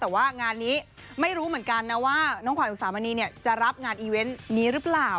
แต่ว่างานนี้ไม่รู้เหมือนกันนะว่าน้องขวัญอุสามณีเนี่ยจะรับงานอีเวนต์นี้หรือเปล่า